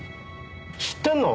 知ってんの？